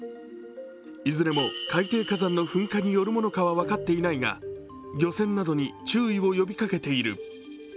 いずれも海底火山の噴火によるものかは分かっていないが漁船などに注意を呼びかけている。